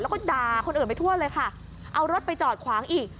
แล้วก็ด่าคนอื่นไปทั่วเลยค่ะเอารถไปจอดขวางอีก